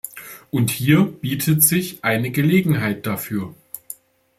Und hier bietet sich eine Gelegenheit dafür.